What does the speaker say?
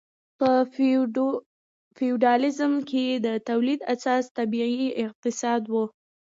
په فیوډالیزم کې د تولید اساس طبیعي اقتصاد و.